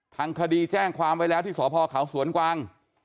ทางคดีแจ้งความไว้แล้วที่สพเขาสวนกวาง